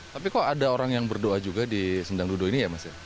tapi kok ada orang yang berdoa juga di sendang dudo ini ya mas ya